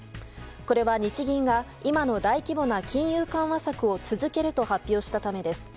これは日銀が今の大規模な金融緩和策を続けると発表したためです。